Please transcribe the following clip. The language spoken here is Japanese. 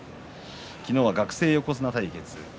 昨日は学生横綱対決。